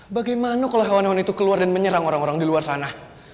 bagaimana kalau hewan hewan itu keluar dan menyerang orang orang di luar sana